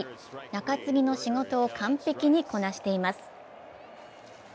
中継ぎの仕事を完璧にこなしています。